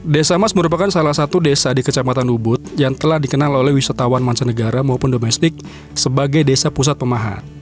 desa mas merupakan salah satu desa di kecamatan ubud yang telah dikenal oleh wisatawan mancanegara maupun domestik sebagai desa pusat pemahat